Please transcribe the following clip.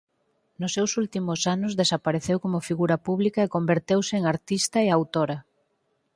Nos seus últimos anos desapareceu como figura pública e converteuse en artista e autora.